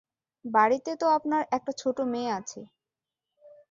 বাড়িতে তো আপনার একটা ছোট মেয়ে আছে।